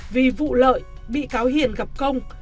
vì vụ lợi bị cáo hiền gặp công